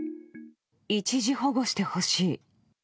一時保護してほしい。